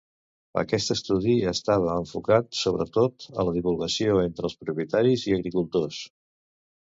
Aquest estudi estava enfocat, sobretot, a la divulgació entre els propietaris i agricultors.